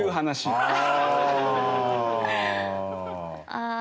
ああ。